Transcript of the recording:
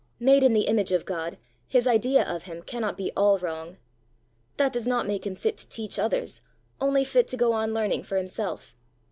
Made in the image of God, his idea of him cannot be all wrong. That does not make him fit to teach others only fit to go on learning for himself.